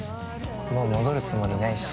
もう戻るつもりないし。